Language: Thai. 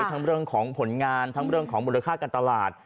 ทั้งเรื่องของผลงานทั้งเรื่องของมูลค่าการตลาด